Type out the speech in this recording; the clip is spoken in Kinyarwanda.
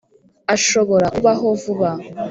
ashobora kubaho vuba.